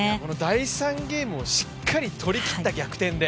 第３ゲームをしっかり取り切った、逆転で。